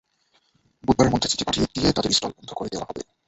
বুধবারের মধ্যে চিঠি পাঠিয়ে দিয়ে তাদের স্টল বন্ধ করে দেওয়া হবে।